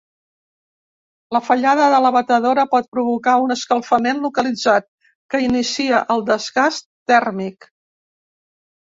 La fallada de la batedora pot provocar un escalfament localitzat, que inicia el desgast tèrmic.